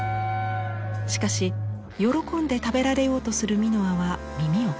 しかし喜んで食べられようとするミノアは耳を貸しません。